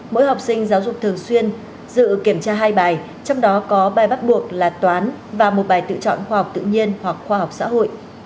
mỗi học sinh giáo dục thường xuyên dự kiểm tra hai bài trong đó có bài bắt buộc là toán và một bài tự chọn khoa học tự nhiên hoặc khoa học xã hội